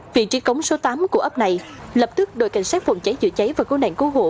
vị trí cống số tám của ấp này lập tức đội cảnh sát phòng cháy chữa cháy và cứu nạn cứu hộ